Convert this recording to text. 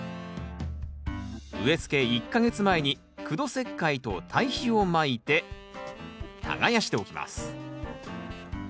植えつけ１か月前に苦土石灰と堆肥をまいて耕しておきます。